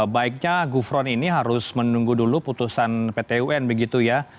baiknya gufron ini harus menunggu dulu putusan pt un begitu ya